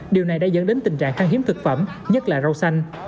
điều này đã dẫn đến tình trạng căng hiếm thực phẩm nhất là rau xanh